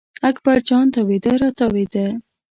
اکبر جان تاوېده را تاوېده.